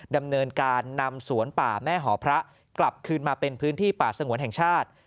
ดำเนินการนำสวนป่าแม่หอพระกลับคืนมาเป็นพื้นที่ป่าสงวนแห่งชาติ